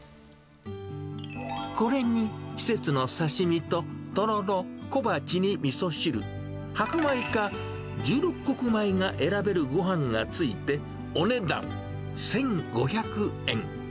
これに、季節の刺身とトロロ、小鉢にみそ汁、白米か十六黒米が選べるごはんが付いて、お値段１５００円。